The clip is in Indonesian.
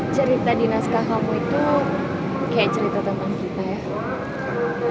cerita di naskah kamu itu kayak cerita tentang kita ya